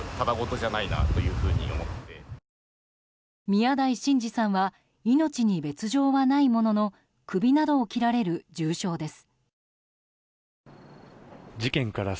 宮台真司さんは命に別条はないものの首などを切られる重傷です。